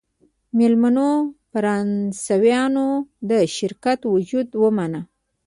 میلیونونو فرانسویانو د شرکت وجود ومانه.